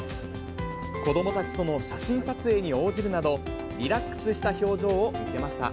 子どもたちとの写真撮影に応じるなど、リラックスした表情を見せました。